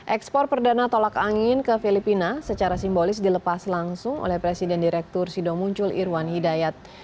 ekspor perdana tolak angin ke filipina secara simbolis dilepas langsung oleh presiden direktur sido muncul irwan hidayat